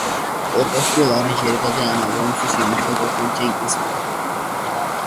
ორკესტრულ არანჟირებებზე ამ ალბომისთვის იმუშავა გორდონ ჯენკინსი.